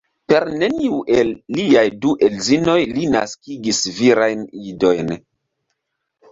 Per neniu el liaj du edzinoj li naskigis virajn idojn.